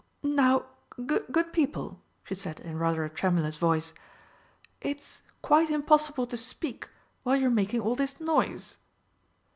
"Now, good people!" she said in rather a tremulous voice, "it's quite impossible to speak while you're making all this noise!"